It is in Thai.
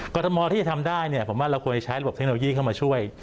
กรทมที่จะทำได้เนี่ยผมว่าเราควรจะใช้ระบบเทคโนโลยีเข้ามาช่วย